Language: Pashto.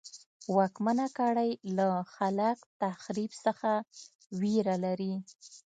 واکمنه کړۍ له خلاق تخریب څخه وېره لري.